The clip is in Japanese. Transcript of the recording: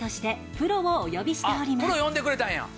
プロ呼んでくれたんや！